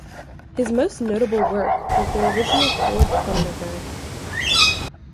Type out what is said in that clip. His most notable work was the original Ford Thunderbird.